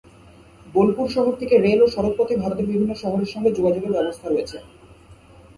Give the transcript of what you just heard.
বোলপুর শহর থেকে রেল ও সড়ক পথে ভারতের বিভিন্ন শহরের সঙ্গে যোগাযোগের ব্যবস্থা রয়েছে।